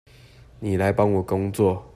妳來幫我工作